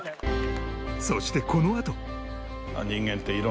そしてこのあと